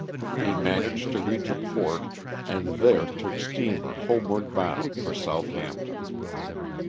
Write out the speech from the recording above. He managed to reach a port, and there took steamer homeward bound for Southampton.